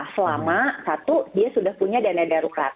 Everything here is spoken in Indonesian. selama satu dia sudah punya dana darurat